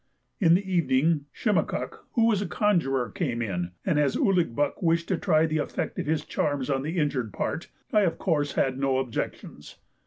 In the evening Shimakuk, who is a conjuror, came in, and as Ouligbuck wished to try the effect of his charms on the injured part, I of course had no objections.